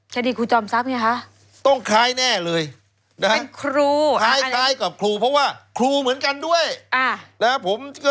คดีครูจอมทรัพย์เนี่ยคะ